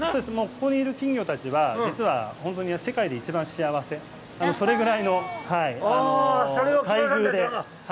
ここにいる金魚たちは、実は本当に世界で一番幸せ、それぐらいの待遇で。